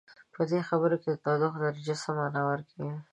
په دې خبر کې د تودوخې درجه څه معنا ورکوي؟